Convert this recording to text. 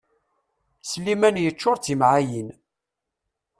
Sliman yeččur d timɛayin.